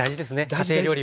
家庭料理は。